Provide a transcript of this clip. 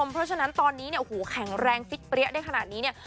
เพราะฉะนั้นตอนนี้เนี่ยแข็งแรงพลิ๊ะได้ขนาดนี้เนี่ย